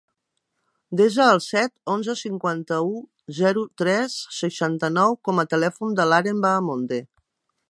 Desa el set, onze, cinquanta-u, zero, tres, seixanta-nou com a telèfon de l'Aren Bahamonde.